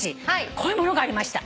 こういうものがありました。